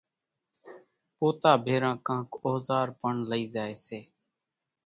پوتا ڀيران ڪانڪ اوزار پڻ لئي زائي سي